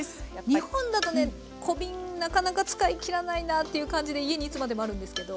日本だとね小瓶なかなか使い切らないなっていう感じで家にいつまでもあるんですけど。